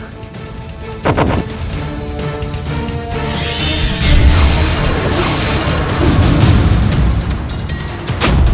aku terpaksa harus membela diri